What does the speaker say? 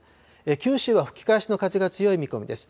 九州は吹き返しの風が強い見込みです。